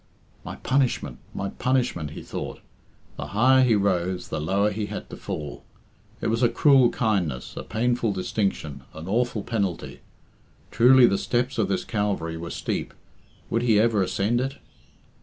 "My punishment, my punishment!" he thought. The higher he rose, the lower he had to fall. It was a cruel kindness, a painful distinction, an awful penalty. Truly the steps of this Calvary were steep. Would he ever ascend it?